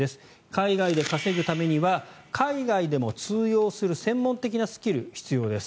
海外で稼ぐためには海外でも通用する専門的なスキル、必要です。